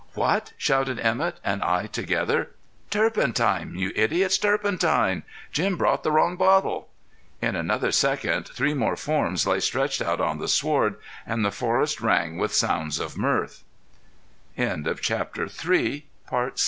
"What?" shouted Emett and I together. "Turpentine, you idiots! Turpentine! Jim brought the wrong bottle!" In another second three more forms lay stretched out on the sward, and the forest rang with sound